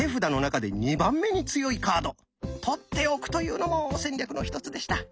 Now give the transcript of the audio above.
取っておくというのも戦略の一つでした。